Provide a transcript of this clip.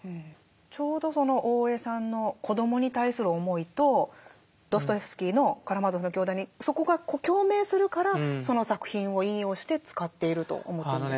ちょうどその大江さんの子どもに対する思いとドストエフスキーの「カラマーゾフの兄弟」にそこが共鳴するからその作品を引用して使っていると思っていいんですか？